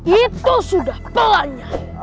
itu sudah pelan